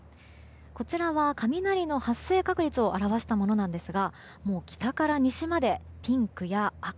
こちらは雷の発生確率を表したものですがもう北から西までピンクや赤。